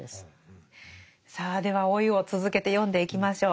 さあでは「老い」を続けて読んでいきましょう。